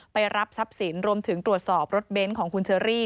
รับทรัพย์สินรวมถึงตรวจสอบรถเบนท์ของคุณเชอรี่